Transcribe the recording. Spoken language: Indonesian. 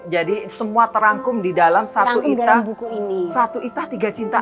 jadi semua terangkum di dalam satu itta tiga cinta